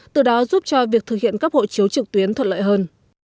từ đó giúp cho việc thực hiện cấp hộ chiếu trực tuyến thuận lợi hơn